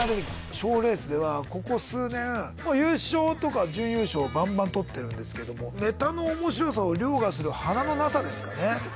ショーレースでは、ここ数年、優勝とか準優勝をばんばんとってるんですけど、ネタのおもしろさをりょうがする華のなさですかね。